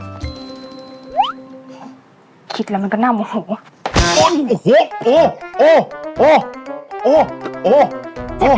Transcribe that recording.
ป๊อปฟรีแล้วมันสำรับต้นตางตายก่อนไงพี่